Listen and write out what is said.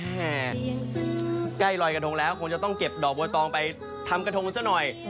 ใกล้ลอยกระทงแล้วคงจะต้องเก็บดอกบัวตองไปทำกระทงกันซะหน่อย